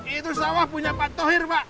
itu sawah punya pak tohir pak